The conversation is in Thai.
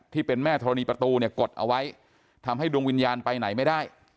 ที่เป็นแม่ธรณีประตูเนี่ยกดเอาไว้ทำให้ดวงวิญญาณไปไหนไม่ได้